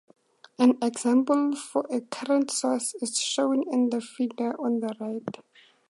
An example for a current source is shown in the figure on the right.